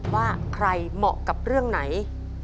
ว่าใครเหมาะกับเรื่องไหน